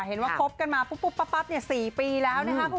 เห็นว่าคบกันมาปุ๊บปุ๊บปั๊บปั๊บเนี่ย๔ปีแล้วนะคะ